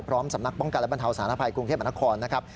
พร้อมสำนักป้องกันและบรรเทาศาลภัยกรุงเทพบรรทควรนะครับ